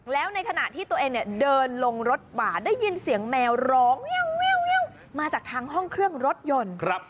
แล้วในขณะที่ตัวเองเนี่ยเดินลงรถบ่าได้ยินเสียงแมวร้องมาจากทางห้องเครื่องรถยนต์